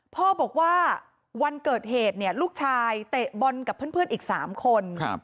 พ่อบอกว่าวันเกิดเหตุเนี่ยลูกชายเตะบอลกับเพื่อนอีก๓คน